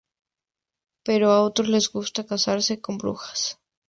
Pero a otros les gustó casarse con brujas.